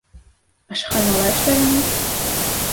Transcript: Ашханала эшләгәнме?